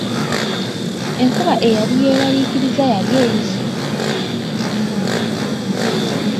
Enkuba eyali yeeraliikiriza yali eyise.